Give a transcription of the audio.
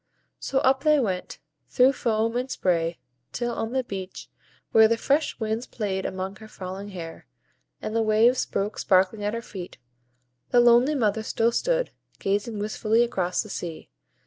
So up they went, through foam and spray, till on the beach, where the fresh winds played among her falling hair, and the waves broke sparkling at her feet, the lonely mother still stood, gazing wistfully across the sea.